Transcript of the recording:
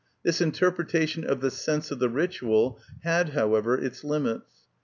This interpretation of the sense of the ritual had, however, its limits.